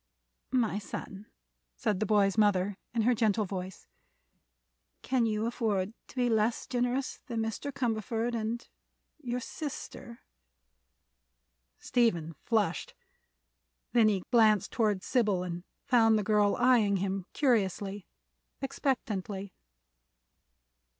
"My son," said the boy's mother, in her gentle voice, "can you afford to be less generous than Mr. Cumberford and—your sister?" Stephen flushed. Then he glanced toward Sybil and found the girl eyeing him curiously, expectantly.